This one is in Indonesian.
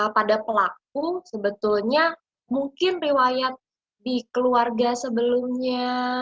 pada pelaku sebetulnya mungkin riwayat di keluarga sebelumnya